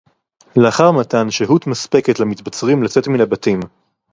לאחר מתן שהות מספקת למתבצרים לצאת מן הבתים